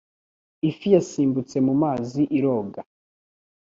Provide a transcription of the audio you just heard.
Ifi yasimbutse mu mazi iroga